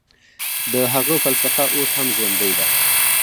د هغه فلسفه اوس هم ژوندۍ ده.